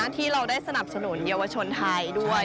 ที่เราได้สนับสนุนเยาวชนไทยด้วย